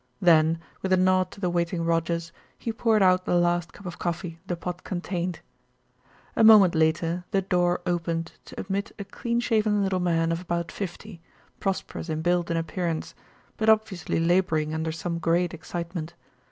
Then, with a nod to the waiting Rogers, he poured out the last cup of coffee the pot contained. A moment later the door opened to admit a clean shaven little man of about fifty, prosperous in build and appearance; but obviously labouring under some great excitement.